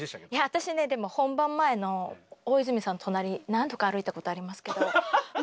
私ね本番前の大泉さんの隣何度か歩いたことありますけどもう。